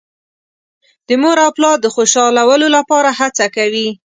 د مور او پلار د خوشحالولو لپاره هڅه کوي.